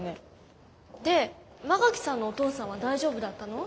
で馬垣さんのお父さんは大丈夫だったの？